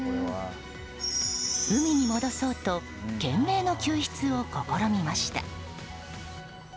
海に戻そうと懸命の救出を試みました。